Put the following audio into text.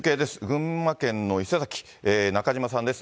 群馬県の伊勢崎、中島さんです。